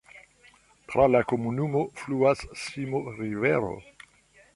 Tra la komunumo fluas Simo-rivero.